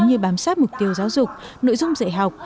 như bám sát mục tiêu giáo dục nội dung dạy học